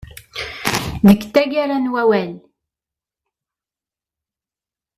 Deg taggara n wawal.